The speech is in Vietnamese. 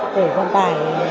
của vận tải